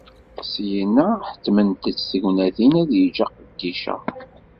Syinna, ḥettment-t tegnatin ad yeǧǧ aqeddic-a.